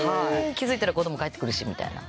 気付いたら子供帰って来るしみたいな。